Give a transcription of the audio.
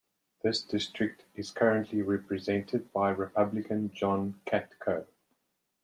This district is currently represented by Republican John Katko.